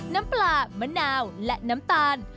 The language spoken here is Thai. น้ำปลามะนาวและน้ำตาล